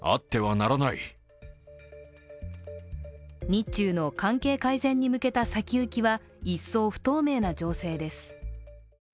日中の関係改善に向けた先行きは一層不透明な情勢です。